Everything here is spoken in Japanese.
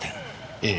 ええ。